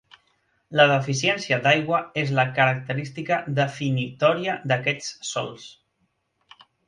La deficiència d'aigua és la característica definitòria d'aquests sòls.